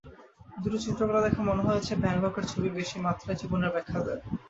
দুটো চিত্রকলা দেখে মনে হয়েছে, ভ্যানগঘের ছবি বেশি মাত্রায় জীবনের ব্যাখ্যা দেয়।